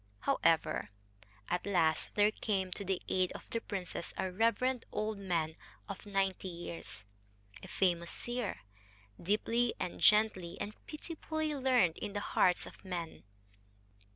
However, at last there came to the aid of the princess a reverend old man of ninety years, a famous seer, deeply and gently and pitifully learned in the hearts of men.